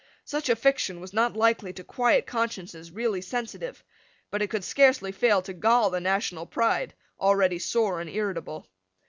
Such a fiction was not likely to quiet consciences really sensitive, but it could scarcely fail to gall the national pride, already sore and irritable.